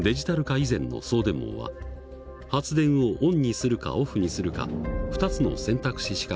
以前の送電網は発電をオンにするかオフにするか２つの選択肢しかなかった。